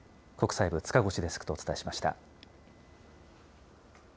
国際部、塚越デスクとお伝えしました。